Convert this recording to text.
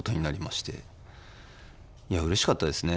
いやうれしかったですね。